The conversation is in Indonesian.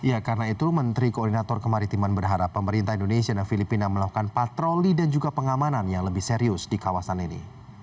ya karena itu menteri koordinator kemaritiman berharap pemerintah indonesia dan filipina melakukan patroli dan juga pengamanan yang lebih serius di kawasan ini